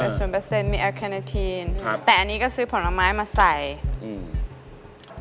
ส่วนเปอร์เซ็นต์มีแอลแคนาทีนครับแต่อันนี้ก็ซื้อผลไม้มาใส่อืม